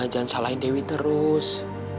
jangan salahin dewi terus